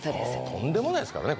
とんでもないですからね